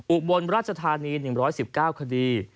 อุบลราชธานี๑๑๙คดี